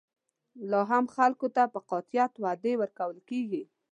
لا هم خلکو ته په قاطعیت وعدې ورکول کېږي.